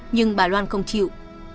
nhưng bà loan không chịu